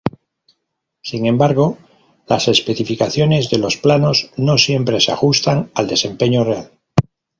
Sin embargo, las especificaciones de los planos no siempre se ajustan al desempeño real.